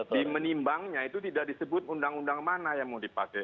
di menimbangnya itu tidak disebut undang undang mana yang mau dipakai